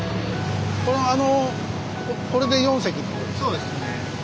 そうですね。